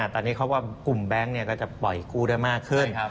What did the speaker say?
ตอนนี้เขาว่ากลุ่มแบงค์ก็จะปล่อยกู้ได้มากขึ้น